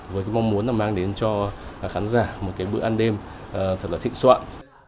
với cái mong muốn là mang đến cho khán giả một cái bữa ăn đêm thật là thịnh soạn